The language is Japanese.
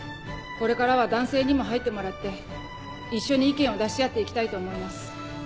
これからは男性にも入ってもらって一緒に意見を出し合って行きたいと思います。